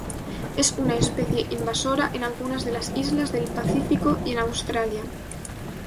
Es una especie invasora en algunas de las islas del Pacífico y en Australia.